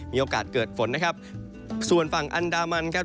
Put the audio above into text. มีโอกาสเกิดฝนนะครับส่วนฝั่งอันดามันครับ